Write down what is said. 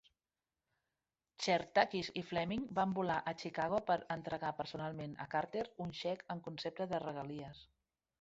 Chairetakis i Fleming van volar a Chicago per entregar personalment a Carter un xec en concepte de regalies.